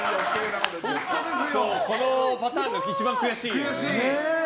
このパターンが一番悔しいんだよね。